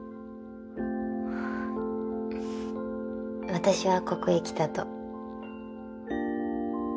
私はここへ来たと。